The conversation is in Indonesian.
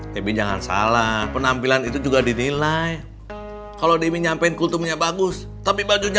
tapi jangan salah penampilan itu juga dinilai kalau demi nyampein kulturnya bagus tapi bajunya